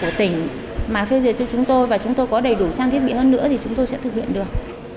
của tỉnh mà phê duyệt cho chúng tôi và chúng tôi có đầy đủ trang thiết bị hơn nữa thì chúng tôi sẽ thực hiện được